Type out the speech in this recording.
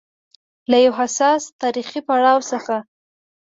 له يو حساس تاریخي پړاو څخه